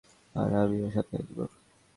আর আমিও সাথে আসব।